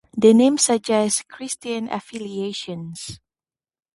The name suggests Christian affiliations.